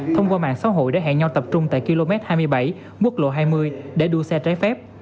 thông qua mạng xã hội đã hẹn nhau tập trung tại km hai mươi bảy quốc lộ hai mươi để đua xe trái phép